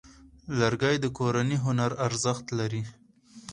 لرګی د کورني هنر ارزښت لري.